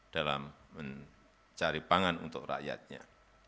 dalam mencari pangan untuk rakyatnya